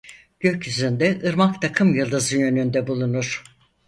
Gökyüzünde Irmak takımyıldızı yönünde bulunur.